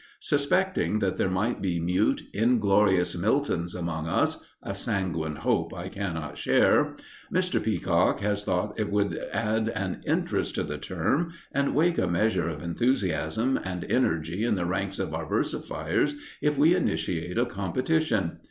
Suspecting that there may be mute, inglorious Miltons amongst us a sanguine hope I cannot share Mr. Peacock has thought that it would add an interest to the term and wake a measure of enthusiasm and energy in the ranks of our versifiers if we initiate a competition.